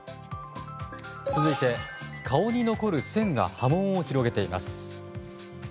続いて顔に残る線が波紋を広げています。